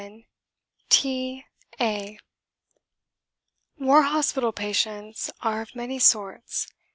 VII "T.... A...." War hospital patients are of many sorts.